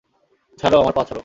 ছাড়ো, আমার পা ছাড়ো!